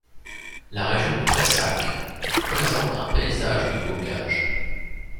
La région de Pressac présente un paysage de bocages.